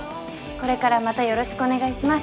これからまたよろしくお願いします。